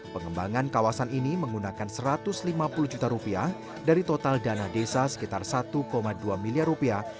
pengembangan kawasan ini menggunakan satu ratus lima puluh juta rupiah dari total dana desa sekitar satu dua miliar rupiah